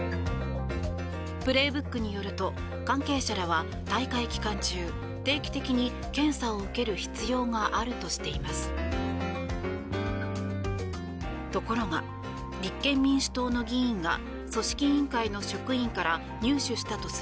「プレーブック」によると関係者らは大会期間中定期的に検査を受ける必要があるとしています。